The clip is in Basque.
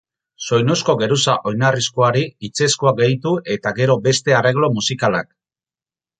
Soinuzko geruza oinarrizkoari hitzezkoa gehitu eta gero beste arreglo musikalak.